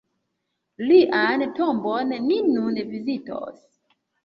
Lian tombon ni nun vizitos.